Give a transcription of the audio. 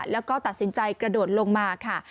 แล้วก็ตัดสินใจกระโดดลงมาค่ะ